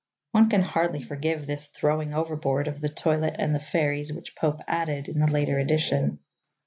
One can hardly forgive this throwing overboard of the toilet and the fairies which Pope added in the later edition.